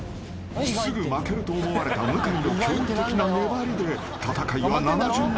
すぐ負けると思われた向井の驚異的な粘りで戦いは７巡目に突入］